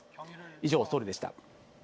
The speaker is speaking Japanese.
以上、ソウルでした。